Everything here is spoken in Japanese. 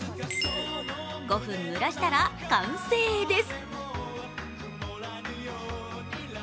５分蒸らしたら完成です。